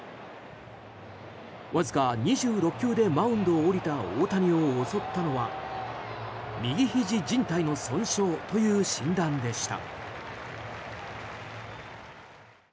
わずか２６球でマウンドを降りた大谷を襲ったのは右ひじじん帯の損傷という診断でした。